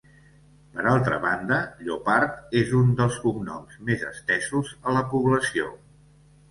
Per altra banda, Llopart és un dels cognoms més estesos a la població.